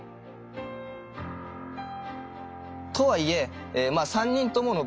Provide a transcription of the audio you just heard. とはいえ３人ともの